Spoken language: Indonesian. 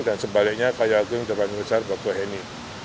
dan sebaliknya kayu agung terbanggi besar bakau hini